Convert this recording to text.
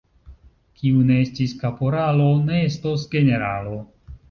Kiu ne estis kaporalo, ne estos generalo.